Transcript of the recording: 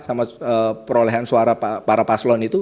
sama perolehan suara para paslon itu